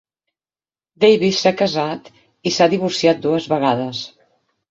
Davis s'ha casat i s'ha divorciat dues vegades.